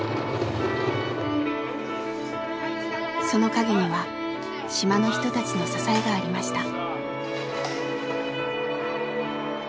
その陰には島の人たちの支えがありました。